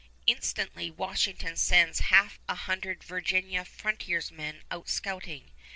Instantly Washington sends half a hundred Virginia frontiersmen out scouting.